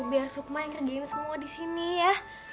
biar sukma yang ngerjain semua disini ya